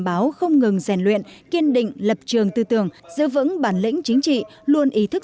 báo không ngừng rèn luyện kiên định lập trường tư tưởng giữ vững bản lĩnh chính trị luôn ý thức